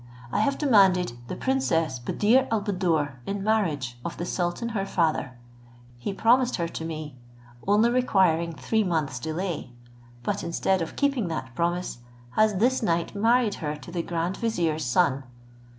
I have demanded the princess Buddir al Buddoor in marriage of the sultan her father; he promised her to me, only requiring three months delay; but instead of keeping that promise, has this night married her to the grand vizier's son.